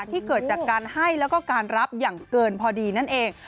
ที่เกิดจากการให้แล้วก็การรับอย่างเกินพอดีนั่นเอง